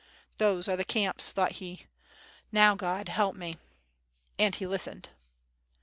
"Those are the camps," thought he, "now God help me." And he listened.